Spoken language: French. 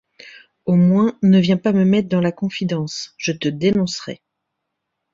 Au moins, ne viens pas me mettre dans la confidence : je te dénoncerais !